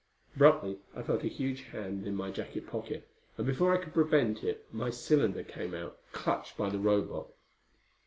Abruptly I felt a huge hand in my jacket pocket, and before I could prevent it my cylinder came out, clutched by the Robot.